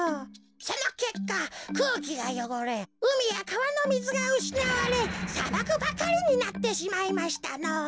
そのけっかくうきがよごれうみやかわのみずがうしなわれさばくばかりになってしまいましたのぉ。